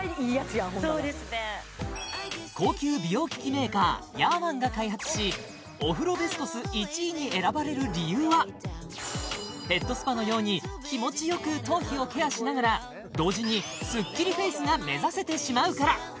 メーカーヤーマンが開発しお風呂ベスコス１位に選ばれる理由はヘッドスパのように気持ちよく頭皮をケアしながら同時にスッキリフェイスが目指せてしまうから！